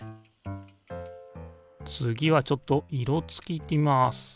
次はちょっと色つきいってみます。